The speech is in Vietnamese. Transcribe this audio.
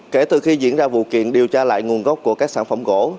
kể từ khi diễn ra vụ kiện điều tra lại nguồn gốc của các sản phẩm gỗ